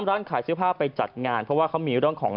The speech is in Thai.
ร้านขายเสื้อผ้าไปจัดงานเพราะมีของ